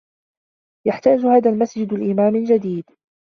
يحتاج هذا المسجد لإمام جديد.